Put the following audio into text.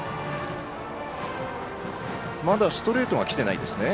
まだストレートが来ていないですね。